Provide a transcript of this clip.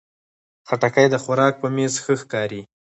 خټکی د خوراک په میز ښه ښکاري.